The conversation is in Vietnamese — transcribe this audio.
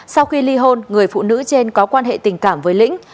sau khi ly hôn người phụ nữ trên có quan hệ tình cảm với lĩnh